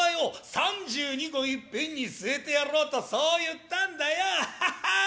３２個いっぺんに据えてやろうとそう言ったんだよハハハ！